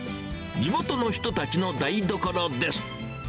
地元の人たちの台所です。